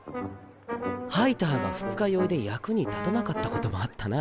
ハイターが二日酔いで役に立たなかったこともあったな。